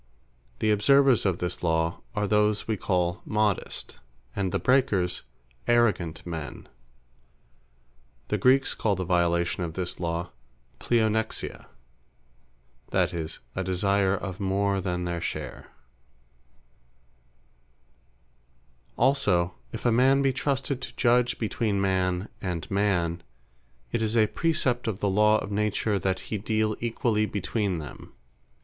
The observers of this law, are those we call Modest, and the breakers Arrogant Men. The Greeks call the violation of this law pleonexia; that is, a desire of more than their share. The Eleventh Equity Also "If a man be trusted to judge between man and man," it is a precept of the Law of Nature, "that he deale Equally between them."